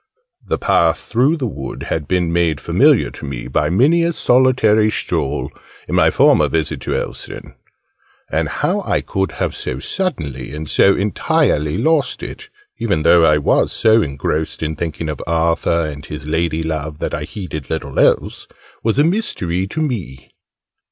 The path through the wood had been made familiar to me, by many a solitary stroll, in my former visit to Elveston; and how I could have so suddenly and so entirely lost it even though I was so engrossed in thinking of Arthur and his lady love that I heeded little else was a mystery to me.